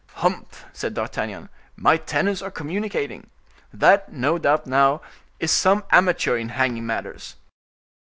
"Humph!" said D'Artagnan, "my tenants are communicating. That, no doubt, now, is some amateur in hanging matters."